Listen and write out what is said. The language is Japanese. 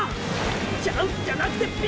チャンスじゃなくてピンチだよ！